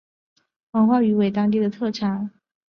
黄花鱼为当地特产。